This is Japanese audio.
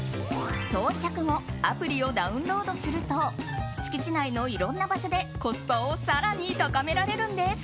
到着後アプリをダウンロードすると敷地内のいろんな場所でコスパを更に高められるんです。